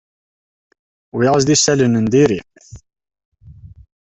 Wwiɣ-as-d isalan n diri.